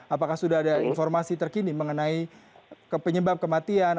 apakah sudah ada informasi terkini mengenai penyebab kematian